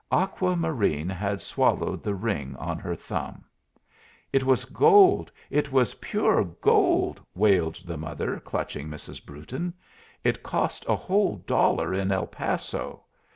Aqua Marine had swallowed the ring on her thumb. "It was gold! it was pure gold!" wailed the mother, clutching Mrs. Brewton. "It cost a whole dollar in El Paso."